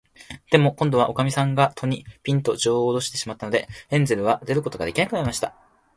でも、こんどは、おかみさんが戸に、ぴんと、じょうをおろしてしまったので、ヘンゼルは出ることができなくなりました。